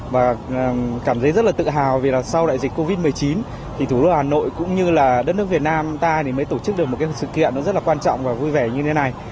và cảm thấy rất là tự hào vì là sau đại dịch covid một mươi chín thì thủ đô hà nội cũng như là đất nước việt nam ta thì mới tổ chức được một cái sự kiện nó rất là quan trọng và vui vẻ như thế này